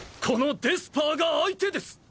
このデスパーが相手です！